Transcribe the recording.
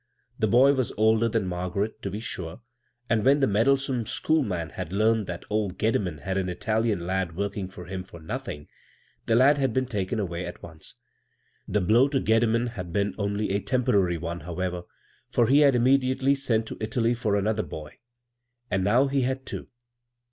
The boy was older than Margaret, to be sure, and when the meddlesome " school man " had learned thskt old Gedimen had an Italian lad working for him for nothing, the lad had been taken away at once. The blow to Gedimen bad been only a temporary one, however, for he had immediately sent to Italy for another boy — and now he had two.